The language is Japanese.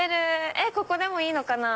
えっここでもいいのかな？